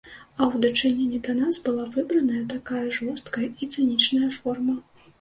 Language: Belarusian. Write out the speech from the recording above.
А ў дачыненні да нас была выбраная такая жорсткая і цынічная форма.